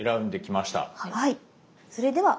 はい。